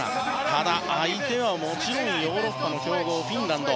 ただ相手はもちろんヨーロッパの強豪フィンランド。